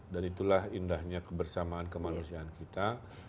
dan itulah indahnya kebersamaan kemanusiaan kita